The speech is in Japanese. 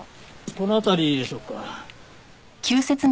この辺りでしょうか。